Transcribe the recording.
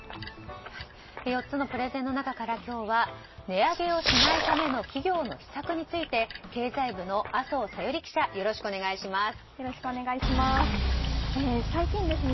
４つのプレゼンの中から今日は値上げをしないための企業の秘策について経済部の麻生小百合記者よろしくお願いします。